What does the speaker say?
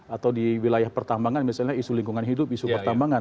atau di wilayah pertambangan misalnya isu lingkungan hidup isu pertambangan